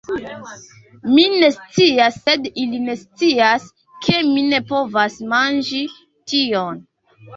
Mi ne scias sed ili ne scias, ke mi ne povas manĝi tion